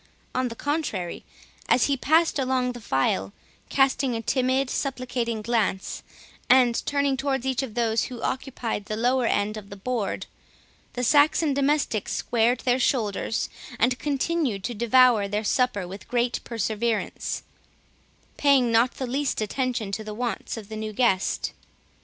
On the contrary, as he passed along the file, casting a timid supplicating glance, and turning towards each of those who occupied the lower end of the board, the Saxon domestics squared their shoulders, and continued to devour their supper with great perseverance, paying not the least attention to the wants of the new guest.